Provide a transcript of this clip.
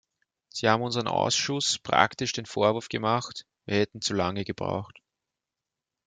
Sie haben unserem Ausschuss praktisch den Vorwurf gemacht, wir hätten zu lange gebraucht.